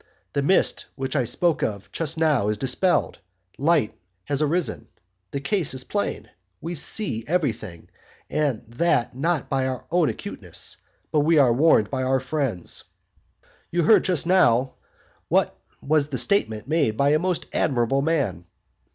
The mist which I spoke of just now is dispelled, light has arisen, the case is plain we see everything, and that not by our own acuteness, but we are warned by our friends. You heard just now what was the statement made by a most admirable man.